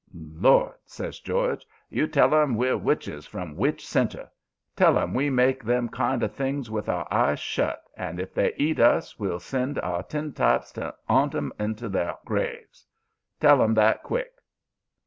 "'Lord!' says George. 'You tell 'em we're witches from Witch Center. Tell 'em we make them kind of things with our eyes shut, and if they eat us we'll send our tintypes to 'aunt 'em into their graves. Tell 'em that quick.'